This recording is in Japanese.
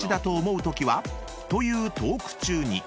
［というトーク中に］